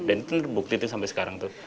dan itu terbukti sampai sekarang tuh